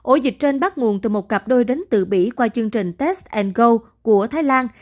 ổ dịch trên bắt nguồn từ một cặp đôi đánh tự bỉ qua chương trình test and go của thái lan